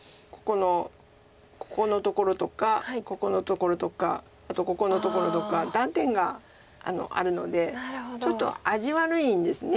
ここのところとかここのところとかあとここのところとか断点があるのでちょっと味悪いんです。